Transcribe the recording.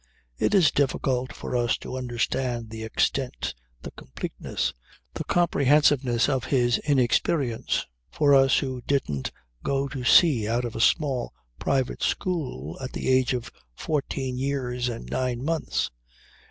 It is difficult for us to understand the extent, the completeness, the comprehensiveness of his inexperience, for us who didn't go to sea out of a small private school at the age of fourteen years and nine months.